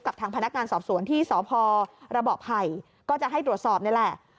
กับทางพนักงานสอบสวนที่สพระเบาะไผ่ก็จะให้ตรวจสอบนี่แหละ